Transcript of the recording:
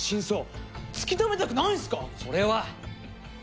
それは！